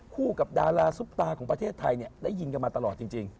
กับดาราซุปตาของประเทศไทยได้ยินกันมาตลอดจริง